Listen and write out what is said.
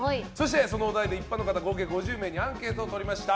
そのお題で一般の方合計５０名にアンケートを取りました。